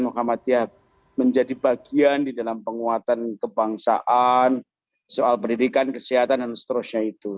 muhammadiyah menjadi bagian di dalam penguatan kebangsaan soal pendidikan kesehatan dan seterusnya itu